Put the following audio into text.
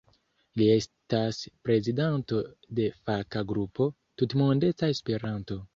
Li estas prezidanto de faka grupo "Tutmondeca Esperanto".